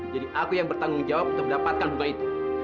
jadi aku yang bertanggung jawab untuk mendapatkan bunga itu